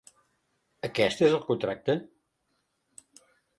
Aquest és el contracte?